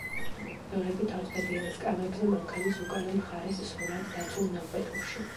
მებრძოლები თავსდებიან სკამებზე, მანქანის უკანა მხარეს სრულად დაცულ ნაკვეთურში.